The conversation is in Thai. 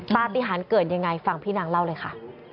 ปฏิหารเกิดยังไงฟังพี่นางเล่าเลยค่ะ